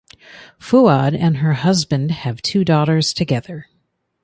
Fouad and her husband have two daughters together.